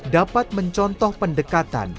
dapat mencontoh pendekatan